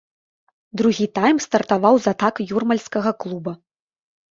Другі тайм стартаваў з атак юрмальскага клуба.